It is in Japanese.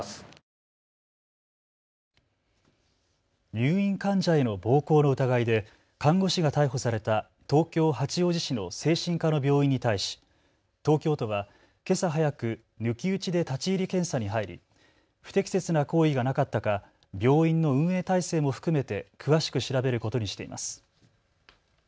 入院患者への暴行の疑いで看護師が逮捕された東京八王子市の精神科の病院に対し東京都はけさ早く抜き打ちで立ち入り検査に入り不適切な行為がなかったか病院の運営体制も含めて詳しく調べることにしています。